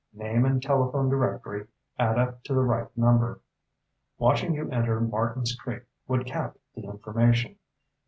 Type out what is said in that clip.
Name and telephone directory add up to the right number. Watching you enter Martins Creek would cap the information.